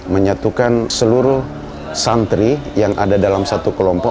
menyatukan seluruh santri yang ada dalam satu kelompok